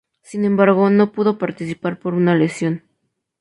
Sin embargo, no pudo participar por una lesión.